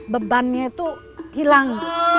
bebannya itu hilang